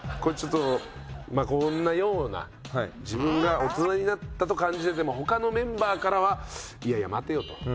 ちょっとこんなような自分が大人になったと感じてても他のメンバーからはいやいや待てよと。